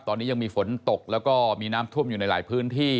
ตอนนี้ยังมีฝนตกแล้วก็มีน้ำท่วมอยู่ในหลายพื้นที่